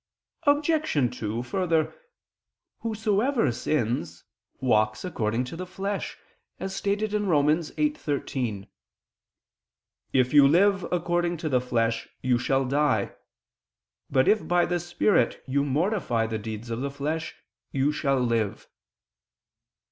Obj. 2: Further, whosoever sins, walks according to the flesh, as stated in Rom. 8:13: "If you live according to the flesh, you shall die. But if by the spirit you mortify the deeds of the flesh, you shall live."